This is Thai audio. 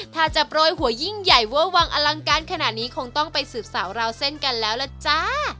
ถ้าจะโปรยหัวยิ่งใหญ่เวอร์วังอลังการขนาดนี้คงต้องไปสืบสาวราวเส้นกันแล้วล่ะจ้า